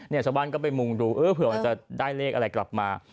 ชาวบ้านก็ไปมุงดูเออเผื่อมันจะได้เลขอะไรกลับมา